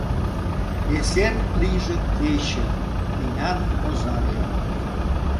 Эсен лийже Кече — тӱнян озаже!